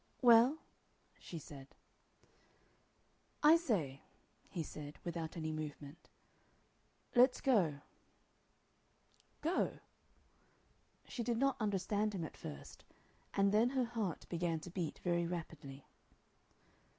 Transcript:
"Well?" she said. "I say!" he said, without any movement. "Let's go." "Go!" She did not understand him at first, and then her heart began to beat very rapidly.